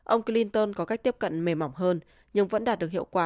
ông clinton có cách tiếp cận mềm mỏng hơn nhưng vẫn đạt được hiệu quả